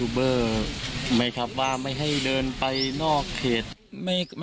ลุงพลบอกว่ามันก็เป็นการทำความเข้าใจกันมากกว่าเดี๋ยวลองฟังดูค่ะ